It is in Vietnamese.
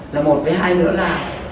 là một với hai nữa là